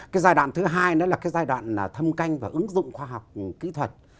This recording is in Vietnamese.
cái giai đoạn thứ hai nữa là cái giai đoạn thâm canh và ứng dụng khoa học kỹ thuật